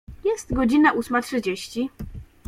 Jest godzina ósma trzydzieści.